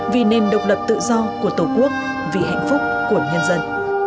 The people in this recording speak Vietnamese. vì nền độc lập tự do của tổ quốc vì hạnh phúc của nhân dân